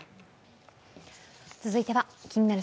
続いては、「気になる！